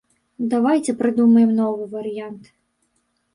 Давайце прыдумаем новы варыянт.